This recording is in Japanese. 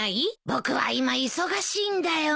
僕は今忙しいんだよ。